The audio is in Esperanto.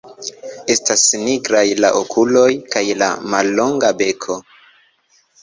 Estas nigraj la okuloj kaj la mallonga beko.